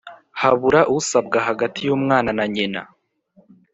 habura usabwa hagati y'umwana na nyina.